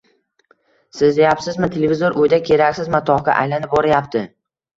Sezayapsizmi, televizor uyda keraksiz matohga aylanib borayapti.